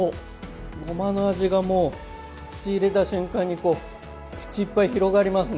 ごまの味がもう口入れた瞬間に口いっぱい広がりますね。